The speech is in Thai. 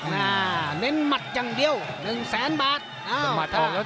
น่าเน้นมัดอย่างเดียว๑แสนบาท